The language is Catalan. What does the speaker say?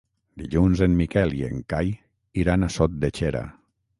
Dilluns en Miquel i en Cai iran a Sot de Xera.